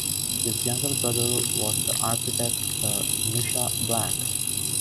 His younger brother was the architect Sir Misha Black.